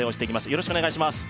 よろしくお願いします